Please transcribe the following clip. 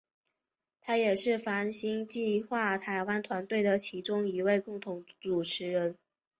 他也是泛星计画台湾团队的其中一位共同主持人。